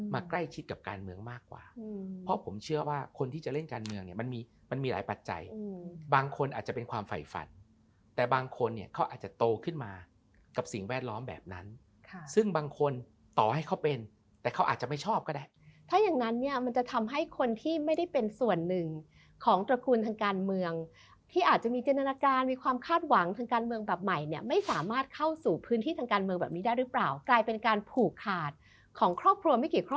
มาใกล้ชิดกับการเมืองมากกว่าเพราะผมเชื่อว่าคนที่จะเล่นการเมืองเนี่ยมันมีมันมีหลายปัจจัยบางคนอาจจะเป็นความไฝฝันแต่บางคนเนี่ยเขาอาจจะโตขึ้นมากับสิ่งแวดล้อมแบบนั้นซึ่งบางคนต่อให้เขาเป็นแต่เขาอาจจะไม่ชอบก็ได้ถ้าอย่างนั้นเนี่ยมันจะทำให้คนที่ไม่ได้เป็นส่วนหนึ่งของตระคูณทางการเมืองท